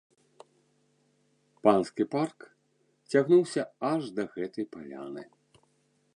Панскі парк цягнуўся аж да гэтай паляны.